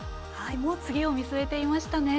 もう次を見据えていましたね。